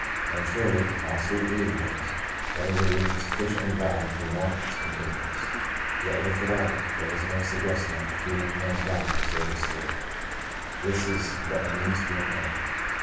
And, surely, in all sweet reasonableness, that is a reason suf ficiently valid to warrant its continuance. Yet with it all there is no suggestion that the feeding a man's body will save his souL This is but a means to an end.